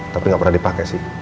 tapi gak pernah dipake sih